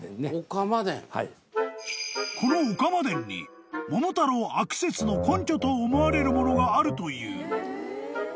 ［この御竈殿に桃太郎悪説の根拠と思われるものがあるという］